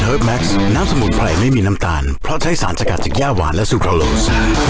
เฮิร์ฟแม็กซ์น้ำสมุดไผลไม่มีน้ำตาลเพราะใช้สารสกัดจากย่าหวานและซูครอลลูซ